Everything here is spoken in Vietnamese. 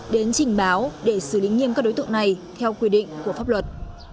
đến trình báo để xử lý nghiêm các đối tượng này theo quy định của pháp luật